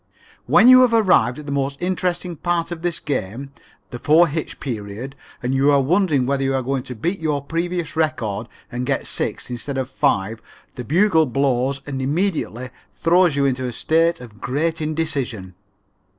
When you have arrived at the most interesting part of this game, the four hitch period, and you are wondering whether you are going to beat your previous record and get six instead of five, the bugle blows and immediately throws you into a state of great indecision.